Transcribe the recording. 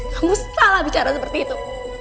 kamu salah bicara seperti itu